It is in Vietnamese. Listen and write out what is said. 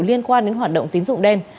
liên quan đến hoạt động tín dụng đen